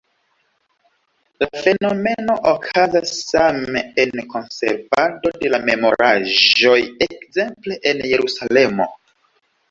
La fenomeno okazas same en konservado de la memoraĵoj, ekzemple en Jerusalemo.